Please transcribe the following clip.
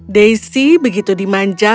desi begitu dimanjakan